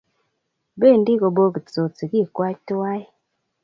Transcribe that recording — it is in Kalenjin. Bendi kobokitsot sigikwak tuwai